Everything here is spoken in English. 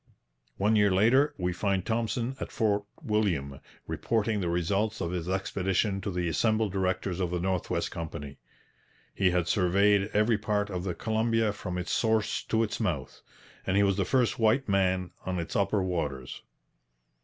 One year later we find Thompson at Fort William reporting the results of his expedition to the assembled directors of the North West Company. He had surveyed every part of the Columbia from its source to its mouth. And he was the first white man on its upper waters.